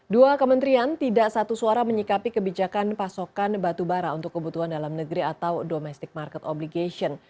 dua kementerian tidak satu suara menyikapi kebijakan pasokan batubara untuk kebutuhan dalam negeri atau domestic market obligation